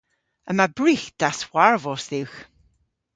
Yma brygh dashwarvos dhywgh.